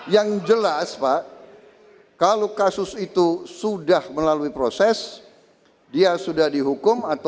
yang jelas pak kalau kasus itu sudah melalui proses dia sudah dihukum